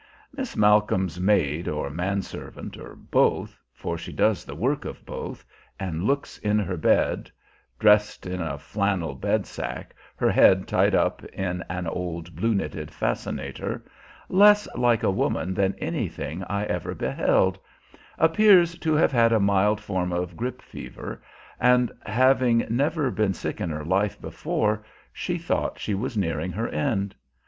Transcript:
Miss Malcolm's maid or man servant, or both for she does the work of both, and looks in her bed (dressed in a flannel bed sack, her head tied up in an old blue knitted "fascinator") less like a woman than anything I ever beheld appears to have had a mild form of grippe fever, and having never been sick in her life before, she thought she was nearing her end.